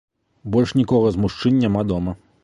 Больш нікога з мужчын няма дома.